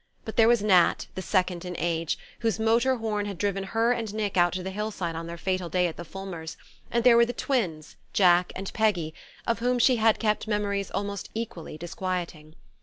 But there was Nat, the second in age, whose motor horn had driven her and Nick out to the hill side on their fatal day at the Fulmers' and there were the twins, Jack and Peggy, of whom she had kept memories almost equally disquieting.